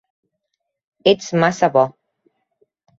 Ets massa bo.